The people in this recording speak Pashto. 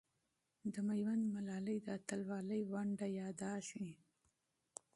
د میوند ملالۍ د اتلولۍ ونډه یادېږي.